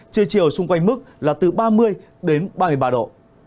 trưa chiều xung quanh mức là từ ba mươi đến ba mươi ba độ